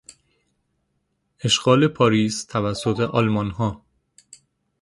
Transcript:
اشغال پاریس توسط آلمانها